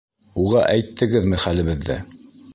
Уға әйттегеҙме хәлебеҙҙе?